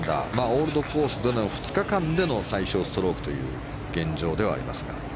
オールドコースでの２日間での最少ストロークという現状ではありますが。